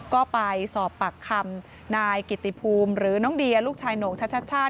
ก็ไปสอบปากคำนายกิติภูมิหรือน้องเดียลูกชายโหน่งชัชชาติ